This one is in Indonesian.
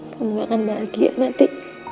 kamu gak akan bahagia nanti